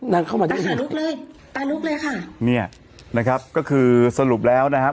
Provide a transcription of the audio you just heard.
นั่งเข้ามาลุกเลยไปลุกเลยค่ะเนี้ยนะครับก็คือสรุปแล้วนะครับ